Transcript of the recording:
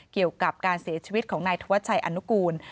เกี่ยวกับการเสียชีวิตของนายธวัชชัยอนุกูล